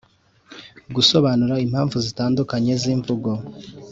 gusobanura impamvu zitandukanye z'imvugo.